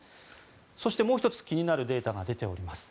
そして、もう１つ気になるデータが出ています。